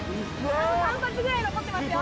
あと３発ぐらい残ってますよ